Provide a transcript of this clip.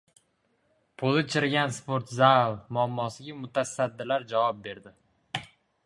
“Poli chirigan sport zal” muammosiga mutasaddilar javob berdi